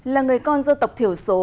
là người con gia tộc thiểu số